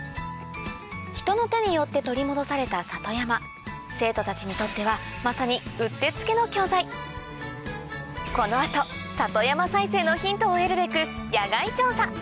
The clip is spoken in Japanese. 人の手によって取り戻された里山生徒たちにとってはまさにうってつけの教材この後里山再生のヒントを得るべく野外調査！